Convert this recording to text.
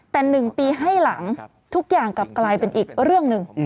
แต่๑ปีให้หลังทุกอย่างกลับกลายเป็นอีกเรื่องหนึ่ง